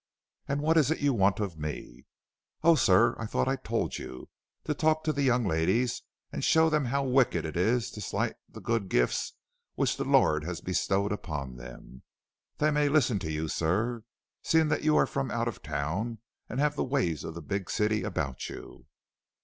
"And what is it you want of me?" "Oh, sir, I thought I told you; to talk to the young ladies and show them how wicked it is to slight the good gifts which the Lord has bestowed upon them. They may listen to you, sir; seeing that you are from out of town and have the ways of the big city about you."